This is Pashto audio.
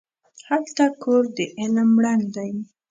هلته کور د علم ړنګ دی